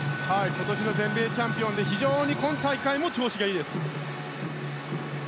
今年の全米チャンピオンで非常に今大会も調子がいいです。